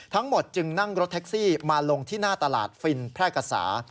ทั้งหมดจึงนั่งรถแท็กซี่มาลงที่หน้าตลาดฟินแพร่กษา